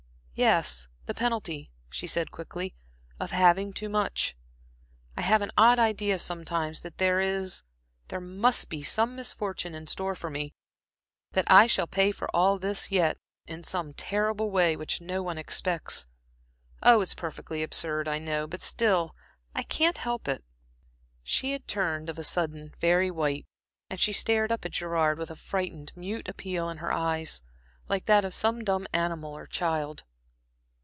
"Yes, the penalty," she said, quickly "of having too much. I have an odd idea sometimes that there is there must be some misfortune in store for me; that I shall pay for all this yet in some terrible way which no one expects. Oh, it's perfectly absurd, I know, but still I I can't help it." She had turned of a sudden very white, and she stared up at Gerard with a frightened, mute appeal in her eyes, like that of some dumb animal or a child.